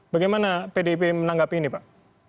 bagaimana pdip menanggapi ini pak